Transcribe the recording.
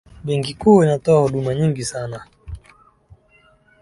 benki kuu inatoa huduma nyingi sana